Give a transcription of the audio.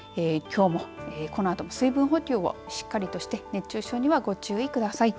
きょうも、このあとも水分補給をしっかりとして熱中症にはご注意ください。